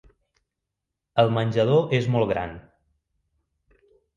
El menjador és molt gran.